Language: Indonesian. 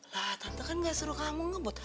lah tante kan gak suruh kamu ngebut